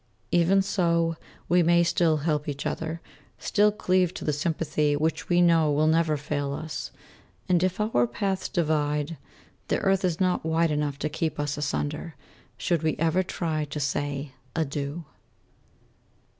Even so we may still help each other, still cleave to the sympathy which we know will never fail us; and, if our paths divide, the earth is not wide enough to keep us asunder, should we ever try to say "Adieu."